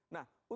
nah untuk rkuhp